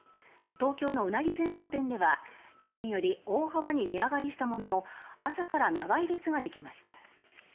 東京のウナギ専門店では去年より大幅に値上がりしたものの朝から長い列ができました。